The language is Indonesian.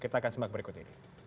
kita akan simak berikut ini